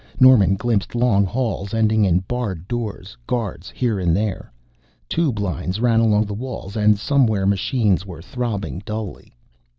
Norman glimpsed long halls ending in barred doors, guards here and there. Tube lines ran along the walls and somewhere machines were throbbing dully.